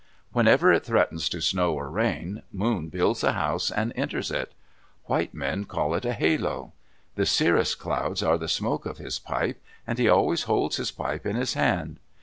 Whenever it threatens to snow or rain, Moon builds a house and enters it. White men call it a halo. The cirrus clouds are the smoke of his pipe, and he always holds his pipe in his hand.